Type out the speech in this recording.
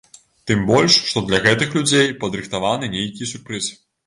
Тым больш, што для гэтых людзей падрыхтаваны нейкі сюрпрыз.